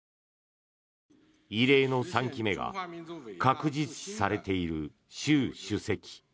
異例の３期目が確実視されている習主席。